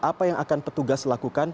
apa yang akan petugas lakukan